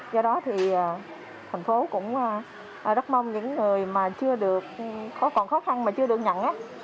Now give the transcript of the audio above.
do đó thì thành phố cũng rất mong những người mà còn khó khăn mà chưa được nhận